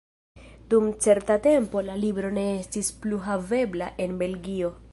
Dum certa tempo la libro ne estis plu havebla en Belgio.